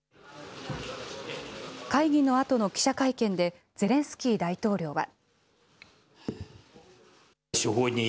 会議のあとの記者会見でゼレンスキー大統領は。